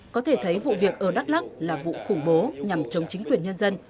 có thể thấy vụ việc ở đắk lắc là vụ khủng bố nhằm chống chính quyền nhân dân